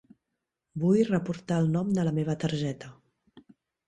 Vull reportar el nom de la meva targeta.